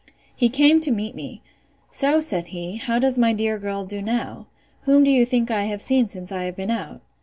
He came to meet me. So, says he, how does my dear girl do now?—Whom do you think I have seen since I have been out?